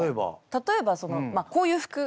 例えばそのこういう服。